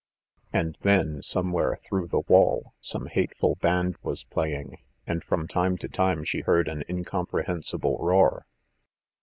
And then, somewhere through the wall, some hateful band was playing, and from time to time she heard an incomprehensible roar.